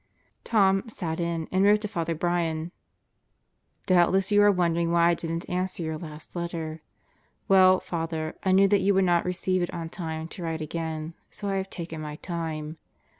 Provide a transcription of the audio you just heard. Tom "sat in," and wrote to Father Brian: Doubtless you are wondering why I didn't answer your last letter. Well, Father, I knew that you would not receive it on time to write again, so I have taken my time.